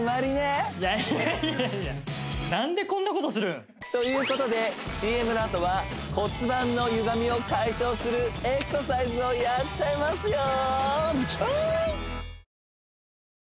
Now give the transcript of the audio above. いやいやということでＣＭのあとは骨盤のゆがみを解消するエクササイズをやっちゃいますよ